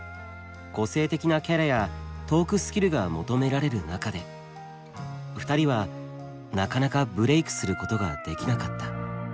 個性的なキャラやトークスキルが求められる中で２人はなかなかブレイクすることができなかった。